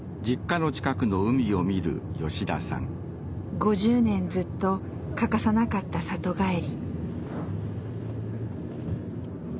５０年ずっと欠かさなかった里帰り。